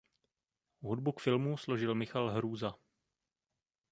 Hudbu k filmu složil Michal Hrůza.